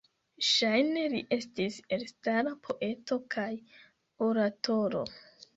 Ŝajne li estis elstara poeto kaj oratoro.